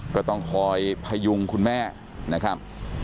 ก็ต้องคอยพยุงคุณแม่นะครับ